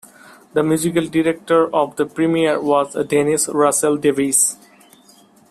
The musical director of the premiere was Dennis Russell Davies.